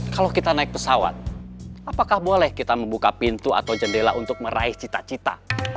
kalau kita naik pesawat apakah boleh kita membuka pintu atau jendela untuk meraih cita cita